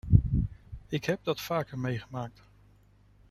Ik heb dat vaker meegemaakt.